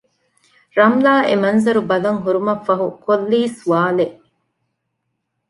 ރަމްލާ އެމަންޒަރު ބަލަން ހުރުމަށްފަހު ކޮށްލީ ސްވާލެއް